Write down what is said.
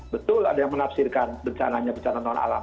betul ada yang menafsirkan bencananya bencana non alam